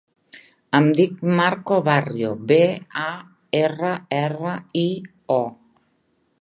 Em dic Marco Barrio: be, a, erra, erra, i, o.